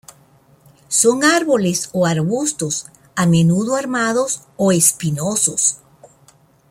Son árboles o arbustos, a menudo armados o espinosos.